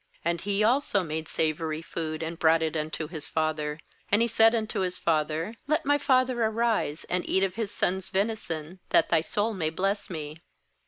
31And he also made savoury food, and brought it unto his father; and he said unto his father: 'Let my father arise, and eat of his son's venison, that thy soul may bless me.'